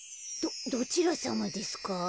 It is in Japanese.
どちらさまですか？